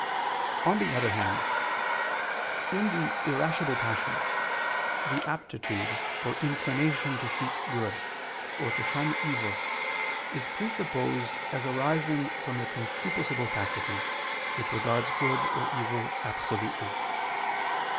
_ On the other hand, in the irascible passions, the aptitude, or inclination to seek good, or to shun evil, is presupposed as arising from the concupiscible faculty, which regards good or evil absolutely.